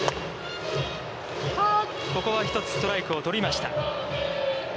ここは１つストライク取りました。